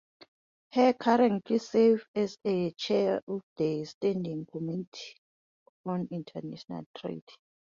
He currently serves as the chair of the Standing Committee on International Trade.